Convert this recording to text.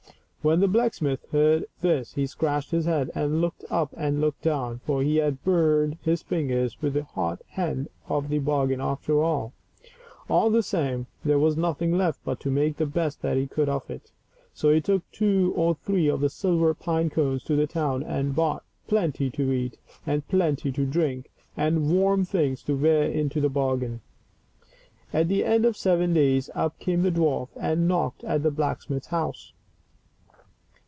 When the blacksmith heard this he scratched his head, and looked up and looked down, for he had burned his fingers with the hot end of the bargain after all. All the same, there was nothing left but to make the best that he could of it. So he took two or three of the silver pine cones to the town and bought plenty to eat, and plenty to drink, and warm things to wear into the bargain. %\)M^mnitl9 takei» f dtoatf ii pitie^cotieift. At the end of seven days up came the dwarf and knocked at the black smith's house.